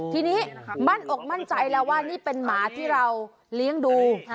ทีนี้มั่นอกมั่นใจแล้วว่านี่เป็นหมาที่เราเลี้ยงดู